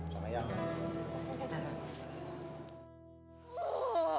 sama yang lain aja